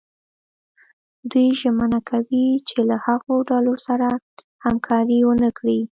دوی ژمنه کوي چې له هغو ډلو سره همکاري ونه کړي.